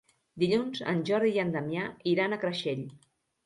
Dilluns en Jordi i en Damià iran a Creixell.